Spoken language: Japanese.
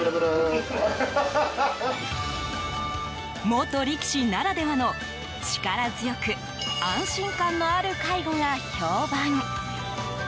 元力士ならではの力強く安心感のある介護が評判。